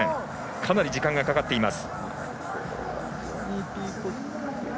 かなり時間がかかっています。